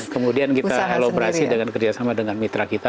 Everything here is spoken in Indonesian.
kemudian kita elaborasi dengan kerjasama dengan mitra kita